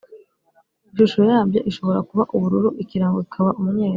Ishusho yabyo ishobora kuba ubururu ikirango kikaba umweru